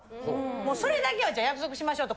もうそれだけは約束しましょうと。